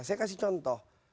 saya kasih contoh